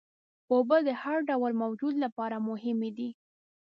اوبه د هر ډول موجود لپاره مهمې دي.